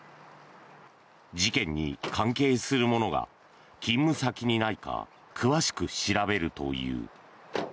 事件に関係するものが勤務先にないか詳しく調べるという。